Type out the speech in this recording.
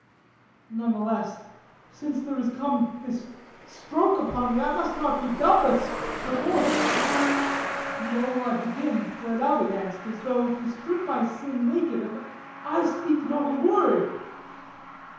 None the less, since there is come This stroke upon me, I must not be dumb, But speak perforce... And there will I begin Where thou beganst, as though to strip my sin Naked, and I not speak a word!